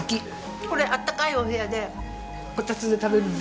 これあったかいお部屋でこたつで食べるんですよ。